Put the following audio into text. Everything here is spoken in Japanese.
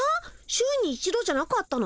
週に一度じゃなかったの？